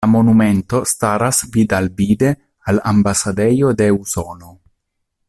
La monumento staras vid-al-vide al ambasadejo de Usono.